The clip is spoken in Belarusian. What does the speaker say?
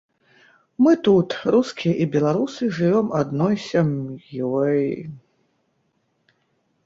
Мы тут, рускія і беларусы, жывём адной сям'ёй.